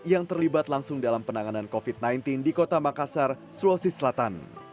yang terlibat langsung dalam penanganan covid sembilan belas di kota makassar sulawesi selatan